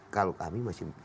kalau kami masih